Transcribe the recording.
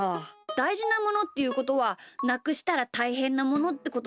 だいじなものっていうことはなくしたらたいへんなものってことだよな。